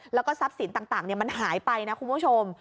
แล้วก็ทรัพย์สินต่างมันหายไปนะคุณผู้ชม